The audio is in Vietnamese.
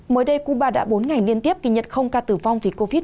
mới đây cuba đã bốn ngày liên tiếp kỳ nhật không ca tử vong vì covid một mươi chín